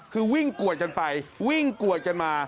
คือวิ่งกวดกันไปวิ่งกวดกันมา